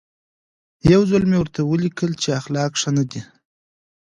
یو ځل مې ورته ولیکل چې اخلاق ښه نه دي.